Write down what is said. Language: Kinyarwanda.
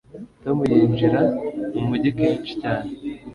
tom yinjira mumujyi kenshi cyane